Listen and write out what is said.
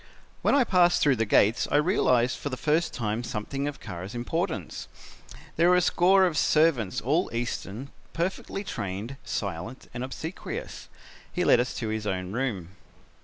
"When I passed through the gates I realized for the first time something of Kara's importance. There were a score of servants, all Eastern, perfectly trained, silent and obsequious. He led us to his own room.